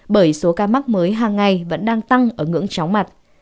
bởi số ca mắc mới hàng ngày vẫn đang tăng ở ngưỡng chóng mặt